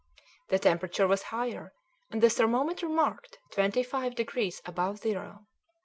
The temperature was higher and the thermometer marked twenty five degrees above zero.